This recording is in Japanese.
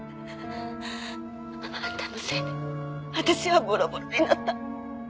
あんたのせいで私はボロボロになった。